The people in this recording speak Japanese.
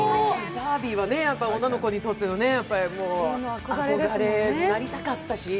バービーは女の子にとっての憧れ、なりたかったし。